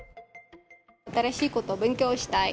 新しいこと勉強したい。